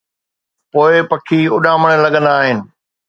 پوءِ پکي اُڏامڻ لڳندا آهن.